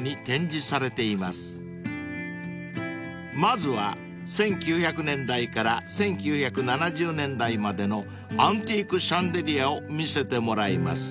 ［まずは１９００年代から１９７０年代までのアンティークシャンデリアを見せてもらいます］